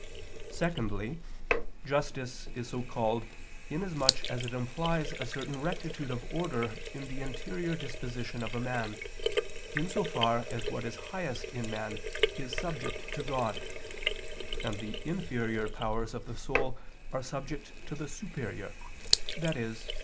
Secondly, justice is so called inasmuch as it implies a certain rectitude of order in the interior disposition of a man, in so far as what is highest in man is subject to God, and the inferior powers of the soul are subject to the superior, i.e.